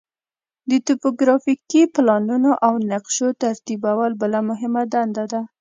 د توپوګرافیکي پلانونو او نقشو ترتیبول بله مهمه دنده ده